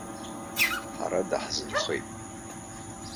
Ҳара даҳзынхеит!